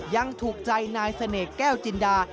ยังถูกใจนายเสน่ห์แก้วจินดา